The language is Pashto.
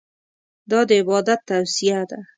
دا د عبادت توصیه ده.